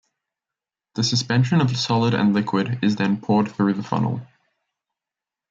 The suspension of solid and liquid is then poured through the funnel.